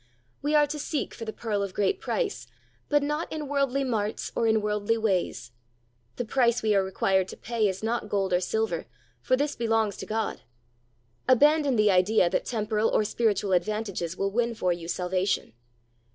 We are to seek for the pearl of great price, but not in worldly marts or in worldly ways. The price we are required to pay is not gold or silver, for this belongs to God. Abandon the idea that temporal or spiritual advantages will win for you salvation.